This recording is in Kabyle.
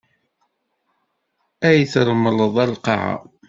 Ay tṛemleḍ a lqaɛa!